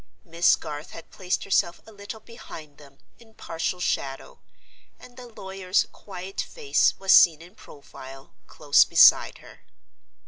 Miss Garth had placed herself a little behind them, in partial shadow; and the lawyer's quiet face was seen in profile, close beside her.